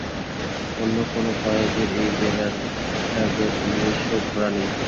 অন্য কোনো কয়েদীর এই জেলার তাদের নিজস্ব ঘোড়া নেই।